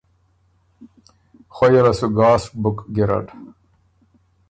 خویه له سو ګاسک بُک ګیرډ۔